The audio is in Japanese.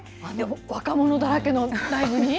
若者だらけのライブに？